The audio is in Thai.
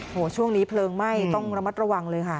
โอ้โหช่วงนี้เพลิงไหม้ต้องระมัดระวังเลยค่ะ